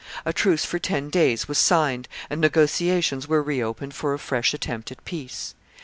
A truce for ten days was signed, and negotiations were reopened for a fresh attempt at peace.